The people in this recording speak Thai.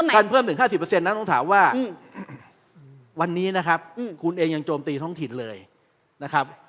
ท่านเพิ่มถึง๕๐นั้นต้องถามว่าวันนี้นะครับคุณเองยังโจมตีท้องถิ่นเลยนะครับ